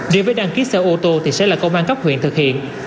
điều với đăng ký xã ô tô thì sẽ là công an cấp huyện thực hiện